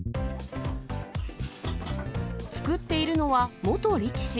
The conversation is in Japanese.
作っているのは、元力士。